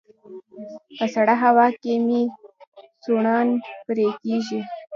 په سړه هوا کې مې سوڼان پرې کيږي